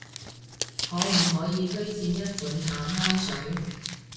可唔可以推薦一款淡香水？